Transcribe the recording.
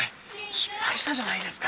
失敗したじゃないですか。